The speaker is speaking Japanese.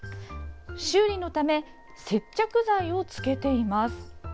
修理のため接着剤をつけています。